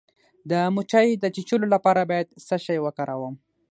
د مچۍ د چیچلو لپاره باید څه شی وکاروم؟